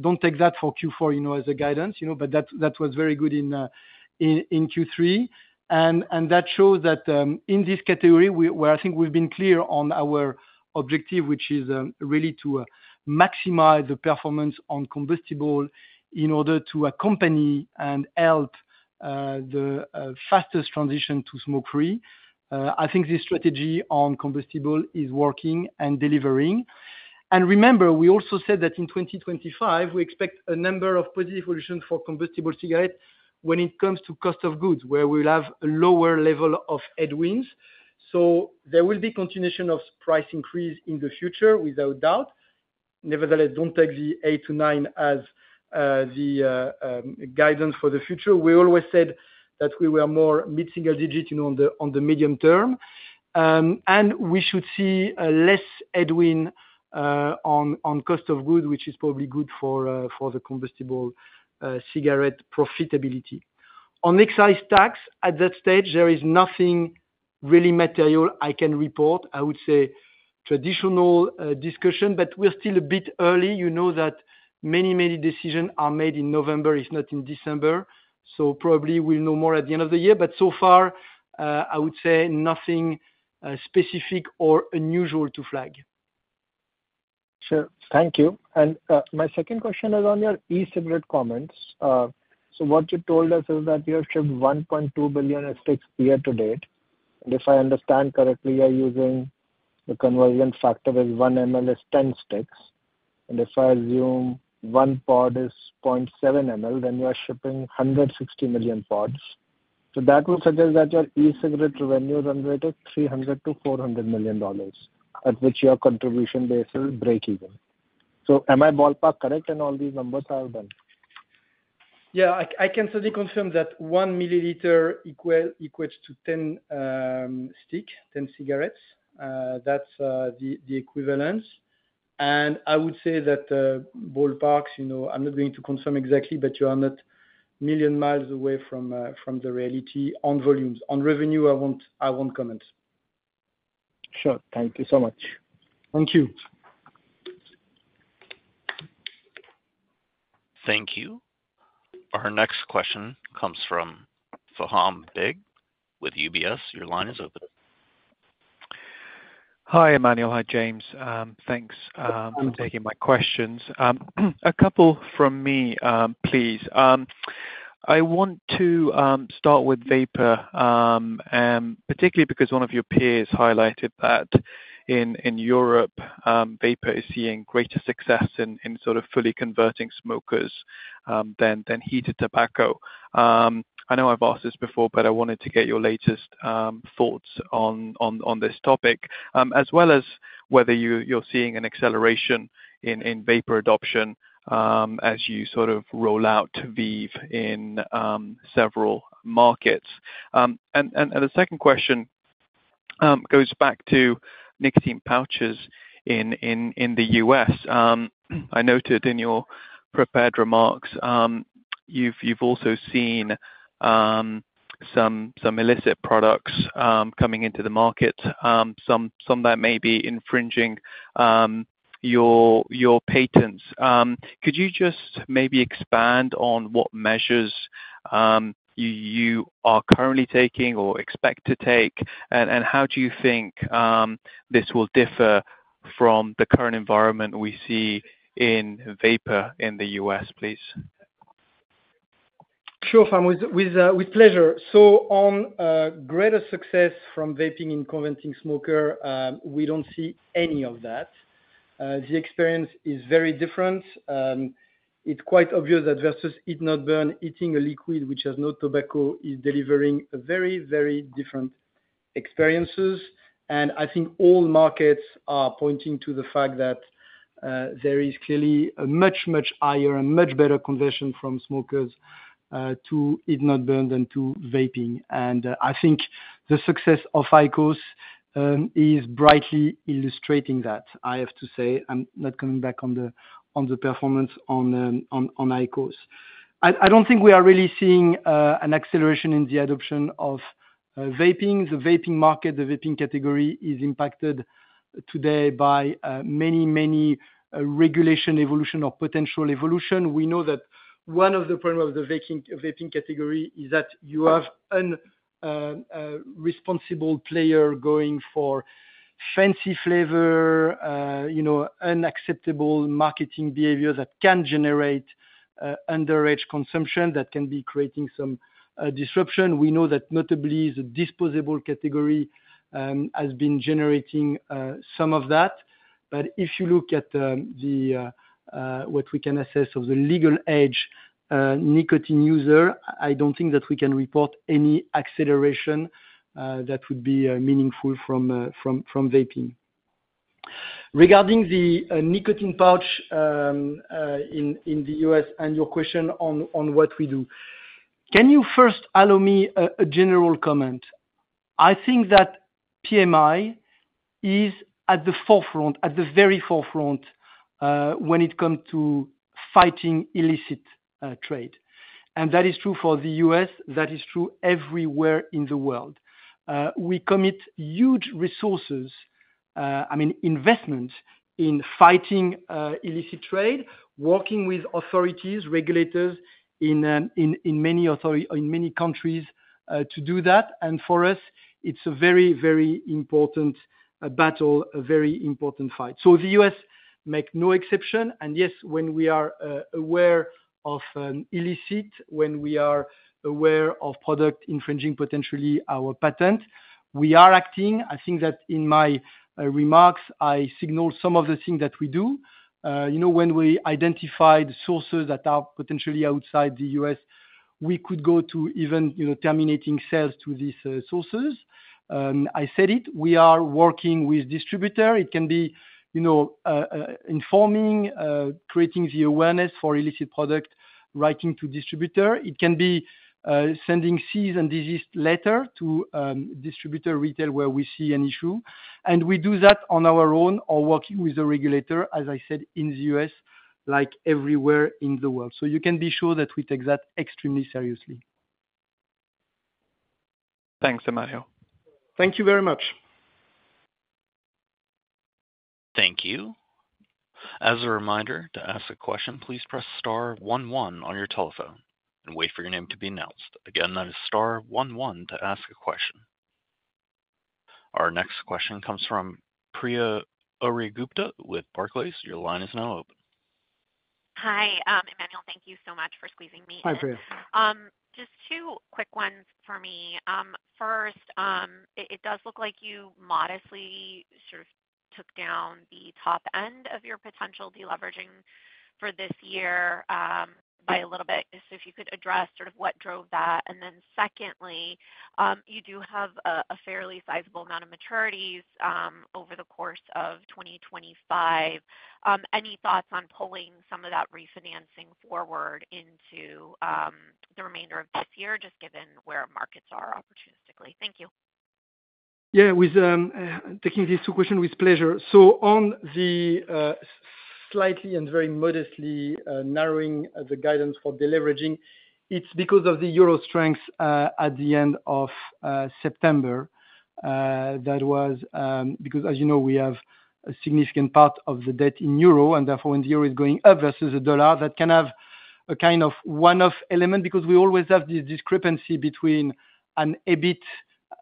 Don't take that for Q4, you know, as a guidance, you know, but that was very good in Q3. That shows that in this category, where I think we've been clear on our objective, which is really to maximize the performance on combustible in order to accompany and help the fastest transition to smoke-free. I think this strategy on combustible is working and delivering. Remember, we also said that in 2025, we expect a number of positive solutions for combustible cigarettes when it comes to cost of goods, where we'll have a lower level of headwinds. There will be continuation of price increase in the future, without doubt. Nevertheless, don't take the 8%-9% as the guidance for the future. We always said that we were more mid-single digit, you know, on the medium term. We should see a less headwind on cost of goods, which is probably good for the combustible cigarette profitability. On excise tax, at that stage, there is nothing really material I can report. I would say traditional discussion, but we're still a bit early. You know that many decisions are made in November, if not in December, so probably we'll know more at the end of the year. So far, I would say nothing specific or unusual to flag. Sure. Thank you. And my second question is on your e-cigarette comments. So what you told us is that you have shipped 1.2 billion sticks year to date. And if I understand correctly, you're using the conversion factor is one mL is ten sticks, and if I assume one pod is 0.7 mL, then you are shipping 160 million pods. So that would suggest that your e-cigarette revenue run rate is $300-$400 million, at which your contribution base is breakeven. So am I ballpark correct, and all these numbers are done? Yeah, I can certainly confirm that one milliliter equates to ten sticks, ten cigarettes. That's the equivalence. And I would say that ballparks, you know, I'm not going to confirm exactly, but you are not a million miles away from the reality on volumes. On revenue, I won't comment. Sure. Thank you so much. Thank you. Thank you. Our next question comes from Faham Baig with UBS. Your line is open. Hi, Emmanuel. Hi, James. Thanks for taking my questions. A couple from me, please. I want to start with vapor. And particularly because one of your peers highlighted that in Europe, vapor is seeing greater success in sort of fully converting smokers than heated tobacco. I know I've asked this before, but I wanted to get your latest thoughts on this topic, as well as whether you're seeing an acceleration in vapor adoption, as you sort of roll out VEEV in several markets. And the second question goes back to nicotine pouches in the U.S. I noted in your prepared remarks, you've also seen some illicit products coming into the market, some that may be infringing your patents. Could you just maybe expand on what measures you are currently taking or expect to take, and how do you think this will differ from the current environment we see in vapor in the U.S., please? Sure, Faham, with pleasure. So on greater success from vaping in converting smoker, we don't see any of that. The experience is very different. It's quite obvious that versus heat-not-burn, heating a liquid which has no tobacco, is delivering a very, very different experiences. And I think all markets are pointing to the fact that there is clearly a much, much higher and much better conversion from smokers to heat-not-burn than to vaping. And I think the success of IQOS is brightly illustrating that. I have to say, I'm not coming back on the performance on IQOS. I don't think we are really seeing an acceleration in the adoption of vaping. The vaping market, the vaping category, is impacted today by many, many regulation evolution or potential evolution. We know that one of the problems with the vaping category is that you have irresponsible player going for fancy flavor, you know, unacceptable marketing behavior that can generate underage consumption, that can be creating some disruption. We know that notably, the disposable category has been generating some of that. But if you look at what we can assess of the legal age nicotine user, I don't think that we can report any acceleration that would be meaningful from vaping. Regarding the nicotine pouch in the U.S. and your question on what we do. Can you first allow me a general comment? I think that PMI is at the forefront, at the very forefront, when it come to fighting illicit trade, and that is true for the U.S., that is true everywhere in the world. We commit huge resources, I mean, investment in fighting illicit trade, working with authorities, regulators in many countries, to do that, and for us, it's a very, very important battle, a very important fight. So the U.S. make no exception, and yes, when we are aware of illicit, when we are aware of product infringing potentially our patent, we are acting. I think that in my remarks, I signaled some of the things that we do. You know, when we identify the sources that are potentially outside the U.S., we could go to even, you know, terminating sales to these sources. I said it, we are working with distributor. It can be, you know, informing, creating the awareness for illicit product, writing to distributor. It can be, sending cease and desist letter to, distributor retail where we see an issue, and we do that on our own or working with the regulator, as I said, in the U.S., like everywhere in the world. So you can be sure that we take that extremely seriously. Thanks, Emmanuel. Thank you very much. Thank you. As a reminder, to ask a question, please press star one one on your telephone and wait for your name to be announced. Again, that is star one one to ask a question. Our next question comes from Priya Ohri-Gupta with Barclays. Your line is now open. Hi, Emmanuel, thank you so much for squeezing me in. Hi, Priya. Just two quick ones for me. First, it does look like you modestly sort of took down the top end of your potential deleveraging for this year, by a little bit. So if you could address sort of what drove that. And then secondly, you do have a fairly sizable amount of maturities, over the course of 2025. Any thoughts on pulling some of that refinancing forward into the remainder of this year, just given where markets are opportunistically? Thank you. Yeah, with taking these two questions with pleasure. So on the slightly and very modestly narrowing the guidance for deleveraging, it's because of the euro strength at the end of September. That was because as you know, we have a significant part of the debt in euro, and therefore when the euro is going up versus the dollar, that can have a kind of one-off element because we always have this discrepancy between an EBIT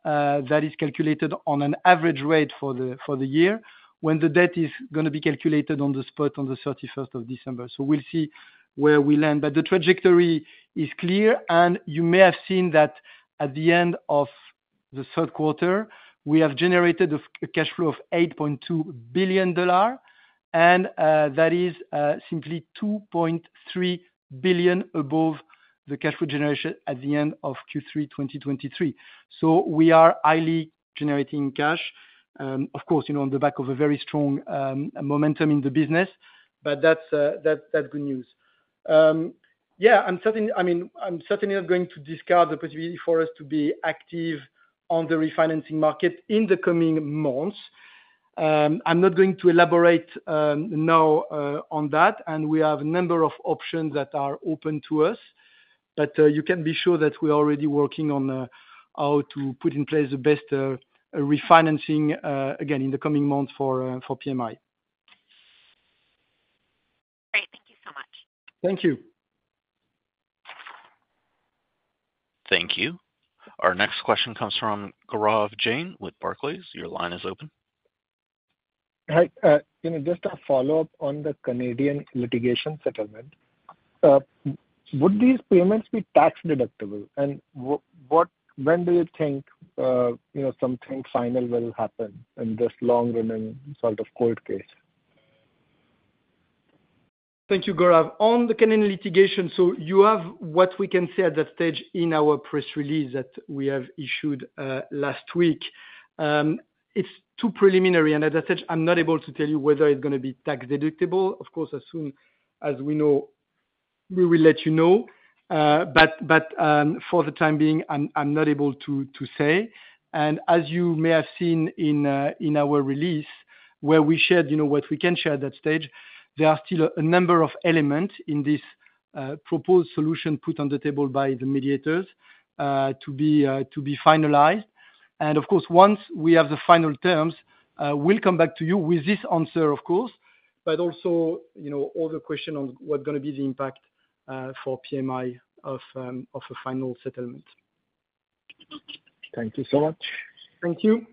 that is calculated on an average rate for the year, when the debt is gonna be calculated on the spot on the thirty-first of December. So we'll see where we land. But the trajectory is clear, and you may have seen that at the end of the third quarter, we have generated a cash flow of $8.2 billion, and that is simply $2.3 billion above the cash flow generation at the end of Q3 2023. So we are highly generating cash, of course, you know, on the back of a very strong momentum in the business. But that's good news. Yeah, I'm certainly, I mean, I'm certainly not going to discard the possibility for us to be active on the refinancing market in the coming months. I'm not going to elaborate now on that, and we have a number of options that are open to us, but you can be sure that we are already working on how to put in place the best refinancing again in the coming months for PMI. Great. Thank you so much. Thank you. Thank you. Our next question comes from Gaurav Jain with Barclays. Your line is open. Hi, you know, just a follow-up on the Canadian litigation settlement. Would these payments be tax deductible, and what, when do you think, you know, something final will happen in this long-running sort of court case? Thank you, Gaurav. On the Canadian litigation, so you have what we can say at that stage in our press release that we have issued last week. It's too preliminary, and as I said, I'm not able to tell you whether it's gonna be tax deductible. Of course, as soon as we know, we will let you know. But for the time being, I'm not able to say, and as you may have seen in our release, where we shared, you know, what we can share at that stage, there are still a number of elements in this proposed solution put on the table by the mediators to be finalized. Of course, once we have the final terms, we'll come back to you with this answer, of course, but also, you know, all the question on what's gonna be the impact for PMI of a final settlement. Thank you so much. Thank you.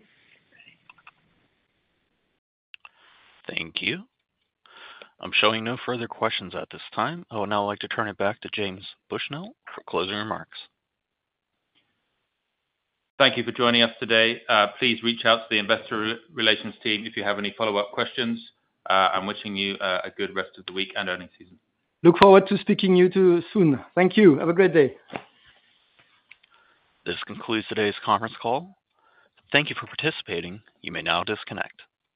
Thank you. I'm showing no further questions at this time. I would now like to turn it back to James Bushnell for closing remarks. Thank you for joining us today. Please reach out to the investor relations team if you have any follow-up questions. I'm wishing you a good rest of the week and earnings season. Look forward to speaking to you soon. Thank you. Have a great day. This concludes today's conference call. Thank you for participating. You may now disconnect.